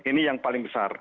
ini yang paling besar